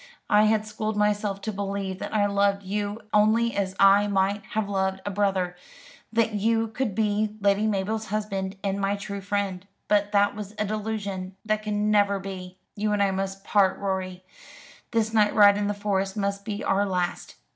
I had schooled myself to believe that I loved you only as I might have loved a brother; that you could be Lady Mabel's husband and my true friend. But that was a delusion that can never be. You and I must part, Rorie. This night ride in the Forest must be our last.